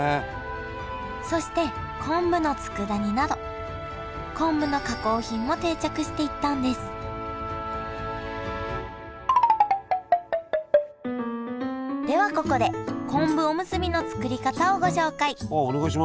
そして昆布のつくだ煮など昆布の加工品も定着していったんですではここでこんぶおむすびの作り方をご紹介。